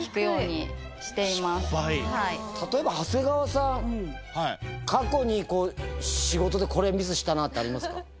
例えば長谷川さん過去に仕事でこれミスしたなってありますか？